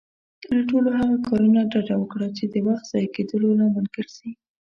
له ټولو هغه کارونه ډډه وکړه، چې د وخت ضايع کيدو لامل ګرځي.